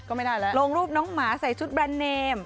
ก็ไม่ได้แล้วลงรูปน้องหมาใส่ชุดแบรนด์เนม